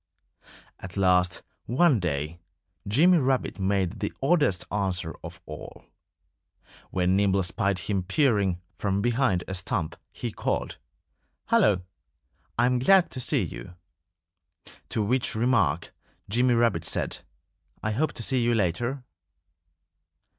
At last, one day, Jimmy Rabbit made the oddest answer of all. When Nimble spied him peering from behind a stump he called, "Hullo! I'm glad to see you." To which remark Jimmy Rabbit said, "I hope to see you later."